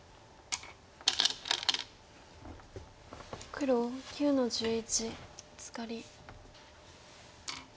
黒９の十一ブツカリ。